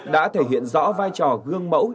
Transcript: đã thể hiện rõ vai trò gương mẫu